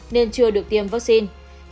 nên chưa được tiêm vaccine